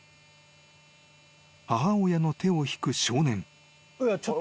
［母親の手を引く少年］